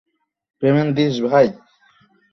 আর তোমার প্রশংসা তাকে কাঁদিয়ে দিয়েছে।